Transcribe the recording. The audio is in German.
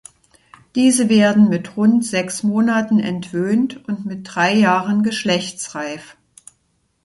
Diese werden mit rund sechs Monaten entwöhnt und mit drei Jahren geschlechtsreif.